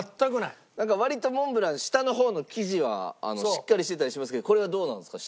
なんか割とモンブラン下の方の生地はしっかりしてたりしますけどこれはどうなんですか？